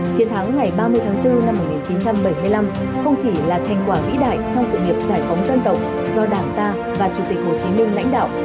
chiến thắng ngày ba mươi tháng bốn năm một nghìn chín trăm bảy mươi năm không chỉ là thành quả vĩ đại trong sự nghiệp giải phóng dân tộc do đảng ta và chủ tịch hồ chí minh lãnh đạo